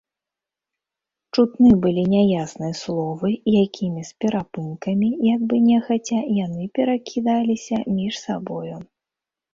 Чутны былі няясныя словы, якімі з перапынкамі, як бы нехаця, яны перакідаліся між сабою.